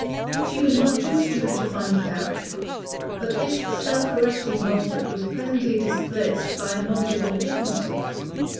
She was not too stupid to find it out. But this self correcting motive was presently displaced by a motive of a different sort.